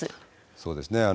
そうですね。